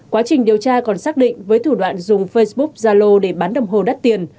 quá trình điều tra còn xác định với thủ đoạn dùng facebook zalo để bán đồng hồ đắt tiền